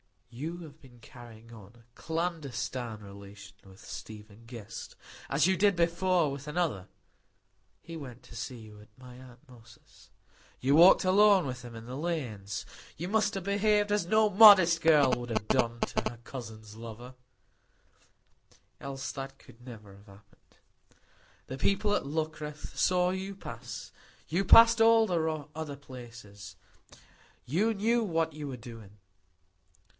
"You have been carrying on a clandestine relation with Stephen Guest,—as you did before with another. He went to see you at my aunt Moss's; you walked alone with him in the lanes; you must have behaved as no modest girl would have done to her cousin's lover, else that could never have happened. The people at Luckreth saw you pass; you passed all the other places; you knew what you were doing.